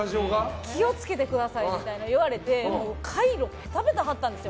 気を付けてくださいみたいなの言われてカイロぺたぺた貼ったんですよ。